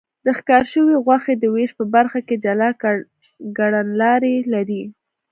د ښکار شوې غوښې د وېش په برخه کې جلا کړنلارې لري.